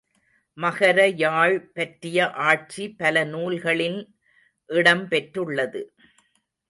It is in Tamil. மகர யாழ் பற்றிய ஆட்சி பல நூல்களின் இடம் பெற்றுள்ளது.